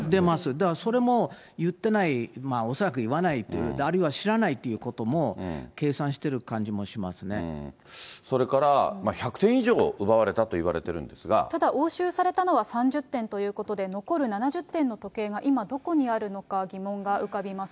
だから、それも言ってない、恐らく言わないというか、あるいは知らないということも、それから１００点以上奪われただ、押収されたのは３０点ということで、残る７０点の時計が今、どこにあるのか疑問が浮かびます。